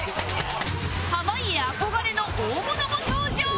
濱家憧れの大物も登場！